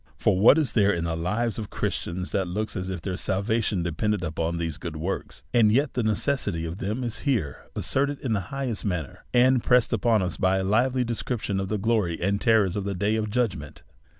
For what is there in the lives of Christians that looks as if their salvation depended upon these good works? And yet the necessity of them is here asserted in the highest manner, and pressed upon us by a live ly description of the glory and terrors of the day of judgment.